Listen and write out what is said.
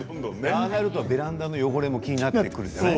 ああなるとベランダの汚れも気になってくるよね。